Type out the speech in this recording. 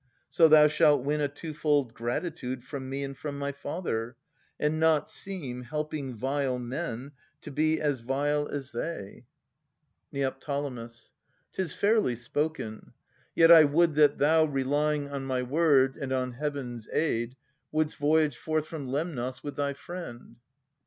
So thou shalt win a twofold gratitude From me and from my father, and not seem. Helping vile men, to be as vile as they. 3i6 Philoctetes [1373 1402 Neo. 'Tis fairly spoken. Yet I would that thou, Relying on my word and on Heaven's aid, Would'st voyage forth from Lemnos with thy friend.